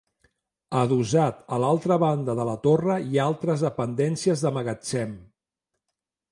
Adossat a l'altra banda de la torre hi ha altres dependències de magatzem.